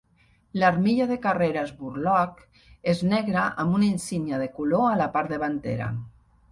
L'armilla de carreres Burloak és negra amb una insígnia de color a la part davantera.